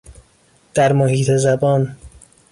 در محیط زبان